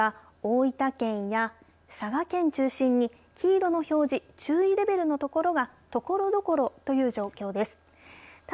現在は、大分県や佐賀県中心に黄色の表示注意レベルのところがところどころという状況です。